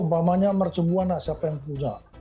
umpamanya mercebuana siapa yang punya